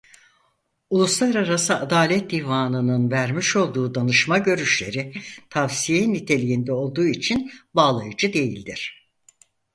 Uluslararası Adalet Divanı'nın vermiş olduğu danışma görüşleri tavsiye niteliğinde olduğu için bağlayıcı değildir.